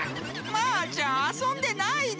マーちゃんあそんでないで！